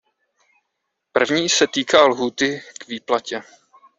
První se týká lhůty k výplatě.